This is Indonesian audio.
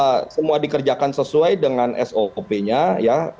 semua dikerjakan sesuai dengan sop nya ya